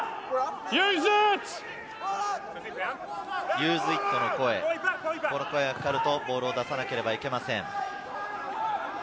ユーズイットの声、この声がかかるとボールを出さなければいけません。